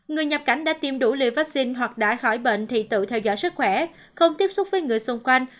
người nhập cảnh đã tiêm đủ liều vaccine hoặc đã khỏi bệnh thì tự theo dõi sức khỏe không tiếp xúc với người xung quanh